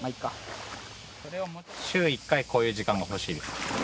週一回こういう時間が欲しいです。